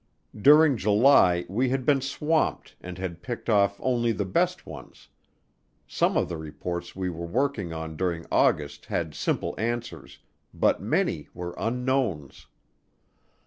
During July we had been swamped and had picked off only the best ones. Some of the reports we were working on during August had simple answers, but many were unknowns.